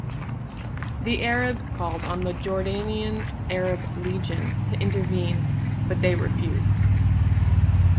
The Arabs called on the Jordanian Arab Legion to intervene but they refused.